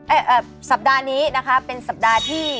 เอ่อสัปดาห์นี้นะคะเป็นสัปดาห์ที่